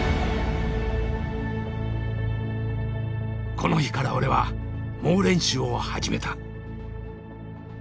この日から俺は猛練習を始めた。